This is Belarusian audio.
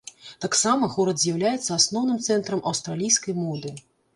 Таксама горад з'яўляецца асноўным цэнтрам аўстралійскай моды.